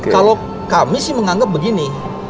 kalau kami sih menganggap begini